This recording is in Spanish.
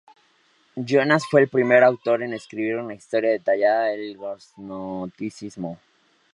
Jonas fue el primer autor en escribir una historia detallada del gnosticismo.